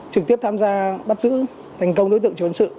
trực tiếp tham gia bắt giữ thành công đối tượng trốn sự